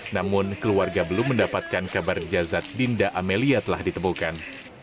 namun keluarga belum mendapatkan kabar jazat dinda amelia telah ditemukan